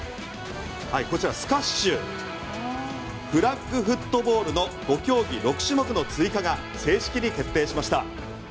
こちらはスカッシュフラッグフットボールの５競技６種目の追加が正式に決定しました。